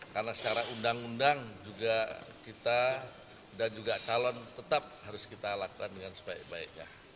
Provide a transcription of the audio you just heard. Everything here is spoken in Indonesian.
karena secara undang undang juga kita dan juga calon tetap harus kita lakukan dengan sebaik baiknya